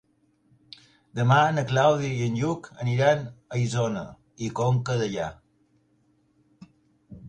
Demà na Clàudia i en Lluc aniran a Isona i Conca Dellà.